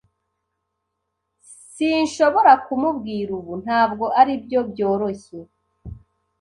Sinshobora kumubwira ubu. Ntabwo aribyo byoroshye.